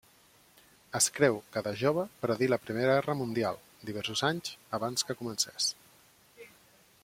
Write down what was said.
Es creu que de jove predir la Primera Guerra Mundial, diversos anys abans que comencés.